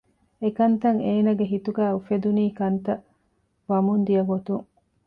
އެކަންތައް އޭނަގެ ހިތުގައި އުފެދުނީ ކަންތައް ވަމުން ދިޔަ ގޮތުން